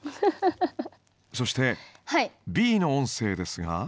そしてＢの音声ですが。